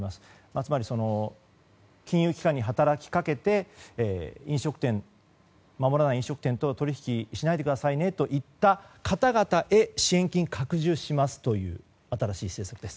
つまり、金融機関に働きかけて守らない飲食店と取引しないでくださいねと言った方々へ支援金拡充しますという新しい政策です。